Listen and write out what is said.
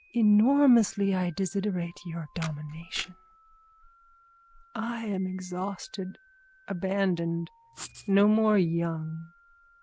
Enormously I desiderate your domination. I am exhausted, abandoned, no more young.